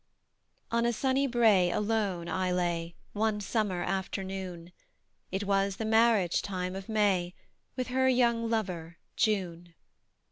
On a sunny brae alone I lay One summer afternoon; It was the marriage time of May, With her young lover, June.